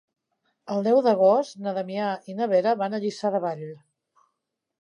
El deu d'agost na Damià i na Vera van a Lliçà de Vall.